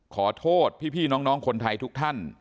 ขอโทษพี่น้องคนไทยทุกท่าน